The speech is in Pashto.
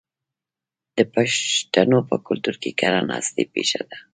د پښتنو په کلتور کې کرنه اصلي پیشه ده.